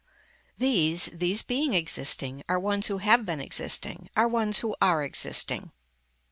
These, these being existing are ones who have been existing are ones who are existing.